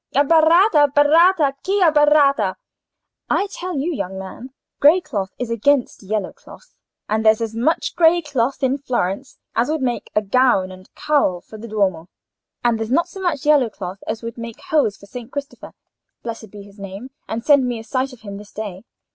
—Abbaratta, baratta—chi abbaratta?—I tell you, young man, grey cloth is against yellow cloth; and there's as much grey cloth in Florence as would make a gown and cowl for the Duomo, and there's not so much yellow cloth as would make hose for Saint Christopher—blessed be his name, and send me a sight of him this day!